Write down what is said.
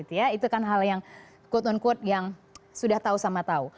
itu kan hal yang quote unquote yang sudah tahu sama tahu